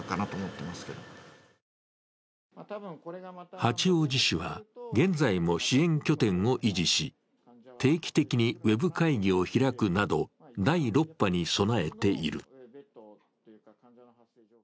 八王子市は現在も支援拠点を維持し、定期的にウェブ会議を開くなど第６波に備えている。